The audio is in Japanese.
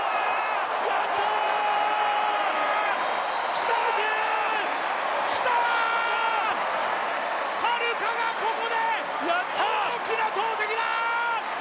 北口榛花がここで大きな投てきだ。